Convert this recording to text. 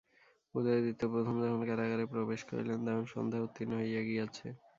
উদয়াদিত্য প্রথম যখন কারাগারে প্রবেশ করিলেন, তখন সন্ধ্যা উত্তীর্ণ হইয়া গিয়াছে।